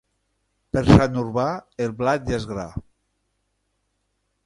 Per Sant Urbà el blat ja és gra.